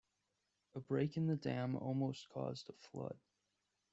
A break in the dam almost caused a flood.